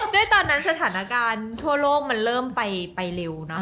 ด้วยตอนนั้นสถานการณ์ทั่วโลกมันเริ่มไปเร็วเนอะ